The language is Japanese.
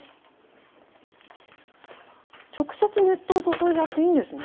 直接熱湯を注いじゃっていいんですね？